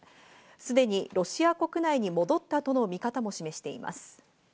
すでにロシア国内に戻ったとの見方も示しています。